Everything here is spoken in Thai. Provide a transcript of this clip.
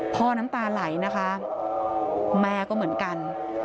น้ำตาไหลนะคะแม่ก็เหมือนกัน